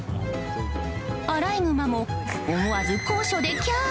アライグマも思わず高所でキャー！